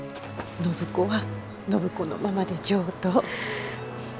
暢子は暢子のままで上等。